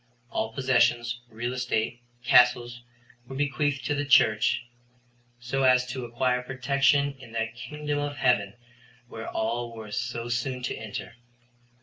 All possessions, real estate, castles, were bequeathed to the Church, so as to acquire protection in that kingdom of heaven where all were so soon to enter.